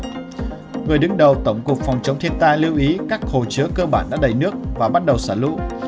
người đứng đầu tổng cục phòng chống thiên tai lưu ý các hồ chứa cơ bản đã đầy nước và bắt đầu xả lũ